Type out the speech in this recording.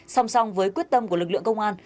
song song với quyết tâm của lực lượng công an